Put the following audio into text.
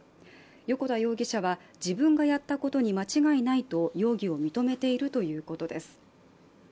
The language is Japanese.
横田容疑者は、自分がやったことに間違いないと容疑を認めているということです。